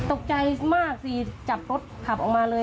ตกใจมากสิจับรถขับออกมาเลย